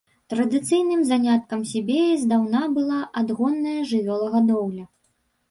Традыцыйным заняткам себеі здаўна была адгонная жывёлагадоўля.